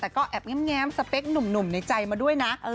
แต่ก็แอบแง้มสเปคหนุ่มในใจมาด้วยนะ